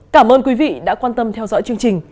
cảm ơn quý vị đã quan tâm theo dõi chương trình